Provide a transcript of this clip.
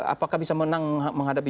apakah bisa menang menghadapi